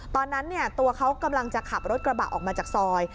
ตอนนั้นตัวเขากำลังจะขับรถกระบะออกมาจากซอย